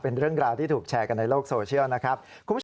เป็นเรื่องราวที่ถูกแชร์กันในโลกโซเชียลนะครับ